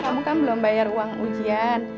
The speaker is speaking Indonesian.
kamu kan belum bayar uang ujian